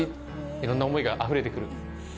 いろんな思いがあふれて来る。